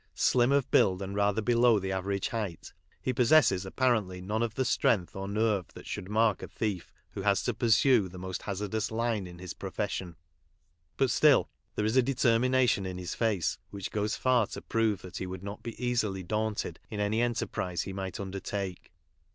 Slim of build, and rather below the average height, he possesses apparently none of Lhe strength or nerve that should mark a thief who has to pursue the most hazardous line in his pro fession ; but still there is a determination in his face which goes far to prove that ho would not be easily daunted in any enterprise he might undertake.